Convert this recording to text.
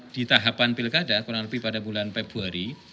di tahapan pilkada kurang lebih pada bulan februari